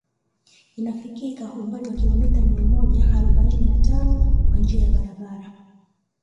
Inafikika umbali wa kilomita mia moja arobaini na tano kwa njia ya barabara